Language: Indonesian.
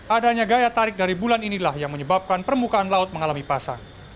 adanya gaya tarik dari bulan inilah yang menyebabkan permukaan laut mengalami pasang